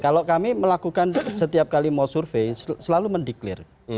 kalau kami melakukan setiap kali mau survei selalu mendeklir